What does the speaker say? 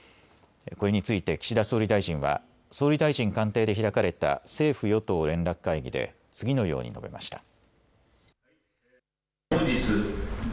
これについて岸田総理大臣は、総理大臣官邸で開かれた政府与党連絡会議で、次のように述べました。